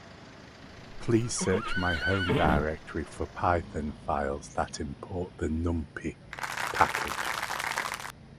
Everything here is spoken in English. please search my home directory for python files that import the numpy package